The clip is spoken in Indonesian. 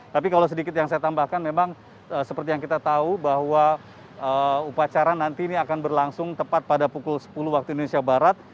tapi kalau sedikit yang saya tambahkan memang seperti yang kita tahu bahwa upacara nanti ini akan berlangsung tepat pada pukul sepuluh waktu indonesia barat